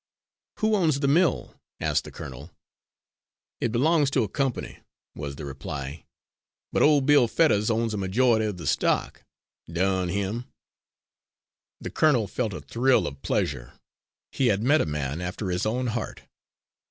"Who owns the mill?" asked the colonel. "It belongs to a company," was the reply, "but Old Bill Fetters owns a majority of the stock durn, him!" The colonel felt a thrill of pleasure he had met a man after his own heart.